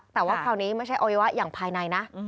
แต่ว่าคราวนี้ไม่ใช่อวัยวะอย่างภายในนะ